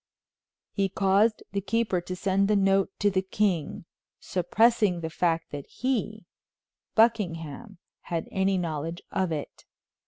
He caused the keeper to send the note to the king, suppressing the fact that he, Buckingham, had any knowledge of it.